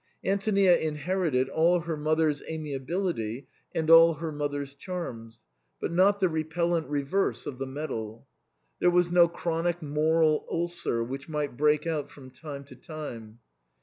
Antonia inherited all her mother's amiability and all her mother's charms, but not the re pellent reverse of the medal. There was no chronic moral ulcer, which might break out from time to time.